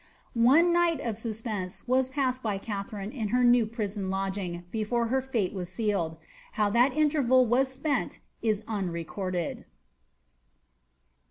One night of suspense was passed Katharine in her new prison lodging before her fate was sealed. w that interval was spent, is unrecorded.